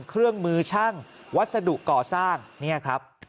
เครื่องมือช่างวัสดุก่อสร้างเนี่ยครับ